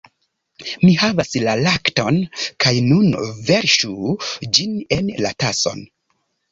Mi havas la lakton, kaj nun... verŝu ĝin en la tason...